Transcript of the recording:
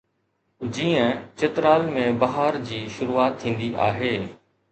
جيئن چترال ۾ بهار جي شروعات ٿيندي آهي